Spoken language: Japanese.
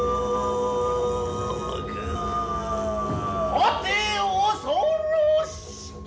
「はて恐ろしき！